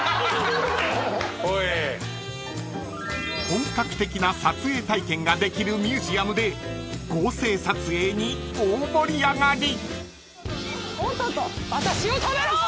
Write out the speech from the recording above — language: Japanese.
［本格的な撮影体験ができるミュージアムで合成撮影に大盛り上がり］